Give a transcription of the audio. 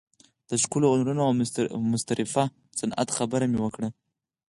د ښکلو هنرونو او مستطرفه صنعت خبره مې وکړه.